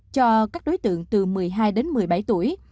cho các đối tượng từ một mươi hai đến một mươi bảy tuổi